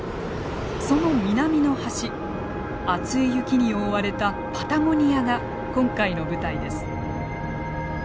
その南の端厚い雪に覆われたパタゴニアが今回の舞台です。